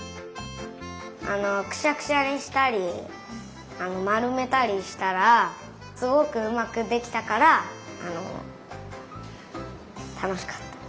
あのくしゃくしゃにしたりまるめたりしたらすごくうまくできたからあのたのしかった。